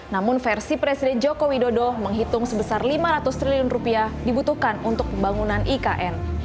namun versi presiden joko widodo menghitung sebesar lima ratus triliun rupiah dibutuhkan untuk pembangunan ikn